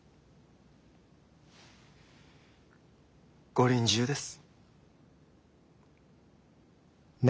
ご臨終です。